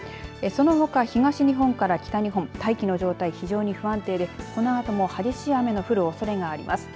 そのほか東日本から北日本大気の状態、非常に不安定でこのあとも激しい雨の降るおそれがあります。